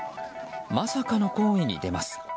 まさかの行為に出ます。